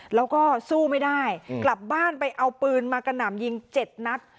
แล้วก็สู้ไม่ได้กลับบ้านไปเอาปืนมากระหน่ำยิง๗นัด